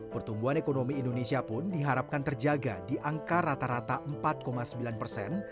pertumbuhan ekonomi indonesia pun diharapkan terjaga di angka rata rata empat sembilan persen